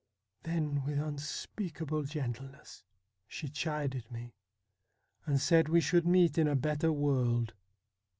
Then, with unspeakable gentleness, she chided me, and said we should meet in a better world.